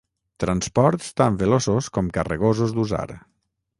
Transports tan veloços com carregosos d'usar.